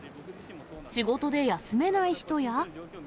仕事で休めない人や。